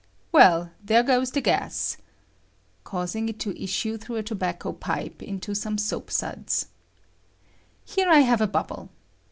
"Well, there goes the gas [causing it to issue through a tobacco pipe into some soap suds]. Here I a bubble.